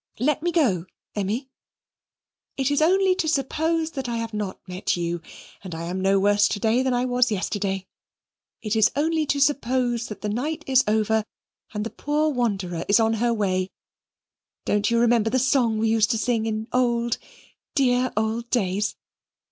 Let me go, Emmy. It is only to suppose that I have not met you, and I am no worse to day than I was yesterday. It is only to suppose that the night is over and the poor wanderer is on her way. Don't you remember the song we used to sing in old, dear old days?